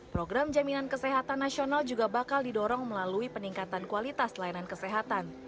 program jaminan kesehatan nasional juga bakal didorong melalui peningkatan kualitas layanan kesehatan